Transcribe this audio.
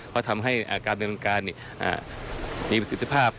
ก็ทำให้การดำเนินการมีประสิทธิภาพ